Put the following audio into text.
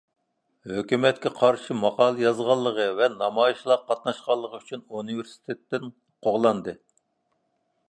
ھۆكۈمەتكە قارشى ماقالە يازغانلىقى ۋە نامايىشلارغا قاتناشقانلىقى ئۈچۈن ئۇنىۋېرسىتېتتىن قوغلاندى.